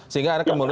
sehingga ada kemb god